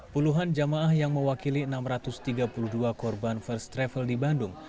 puluhan jamaah yang mewakili enam ratus tiga puluh dua korban first travel di bandung